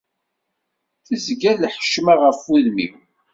Tezga lḥecma ɣef wudem-iw.